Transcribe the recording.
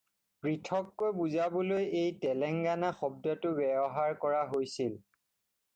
পৃথককৈ বুজাবলৈ এই তেলঙ্গানা শব্দটো ব্যৱহাৰ কৰা হৈছিল।